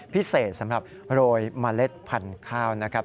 พิเศษสำหรับโรยเมล็ดพันธุ์ข้าวนะครับ